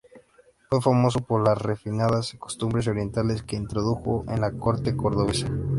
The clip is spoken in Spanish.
Fue famoso por las refinadas costumbres orientales que introdujo en la Corte cordobesa.